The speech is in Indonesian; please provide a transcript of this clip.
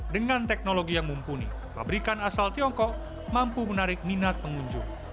dengan teknologi yang mumpuni pabrikan asal tiongkok mampu menarik minat pengunjung